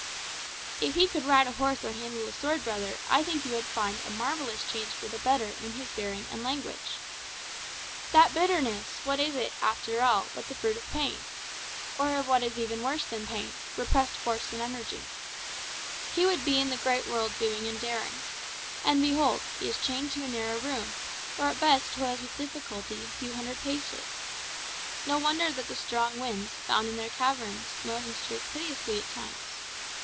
"If he could ride a horse or handle a sword, brother, I think you would find a marvellous change for the better in his bearing and language. That bitterness, what is it, after all, but the fruit of pain? Or of what is even worse than pain, repressed force and energy. He would be in the great world doing and daring; and behold, he is chained to a narrow room, or at best toils with difficulty a few hundred paces. No wonder that the strong winds, bound in their caverns, moan and shriek piteously at times.